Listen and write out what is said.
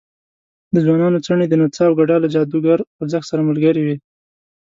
د ځوانانو څڼې د نڅا او ګډا له جادوګر خوځښت سره ملګرې وې.